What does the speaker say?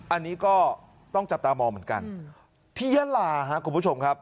อันนี้ก็ต้องจับตามองเหมือนกันที่ยาลาครับคุณผู้ชมครับ